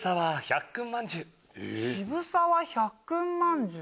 渋沢百訓まんじゅう？